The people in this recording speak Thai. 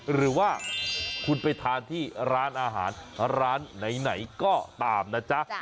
หรือว่าคุณไปทานที่ร้านอาหารร้านไหนก็ตามนะจ๊ะ